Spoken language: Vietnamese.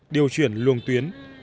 điều chuyển luồng tuyến